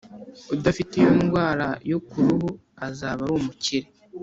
udafite iyo ndwara yo ku ruhu azaba ari umukire